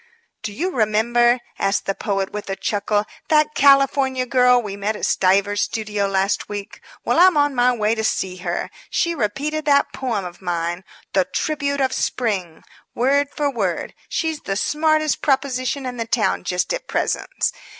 "Do you remember," asked the poet, with a chuckle, "that California girl we met at Stiver's studio last week? Well, I'm on my way to see her. She repeated that poem of mine, 'The Tribute of Spring,' word for word. She's the smartest proposition in this town just at present.